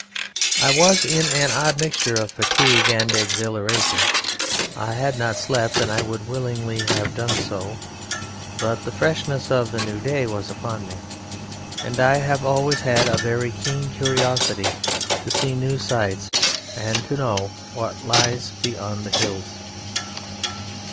"I was in an odd mixture of fatigue and exhilaration: I had not slept and I would willingly have done so, but the freshness of the new day was upon me, and I have always had a very keen curiosity to see new sights and to know what lies behind the hills.